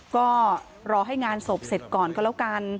ก็รอให้งานศพเสร็จก่อนก็แล้วกัน